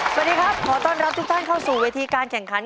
สวัสดีครับขอต้อนรับทุกท่านเข้าสู่เวทีการแข่งขัน